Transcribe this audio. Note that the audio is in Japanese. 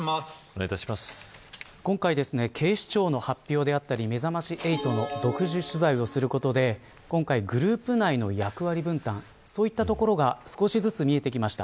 今回、警視庁の発表であったりめざまし８の独自取材をすることで今回、グループ内の役割分担そういったところが少しずつ見えてきました。